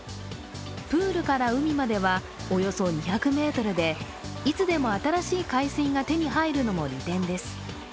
プールから海まではおよそ２００ｍでいつでも新しい海水が手に入るのも利点です。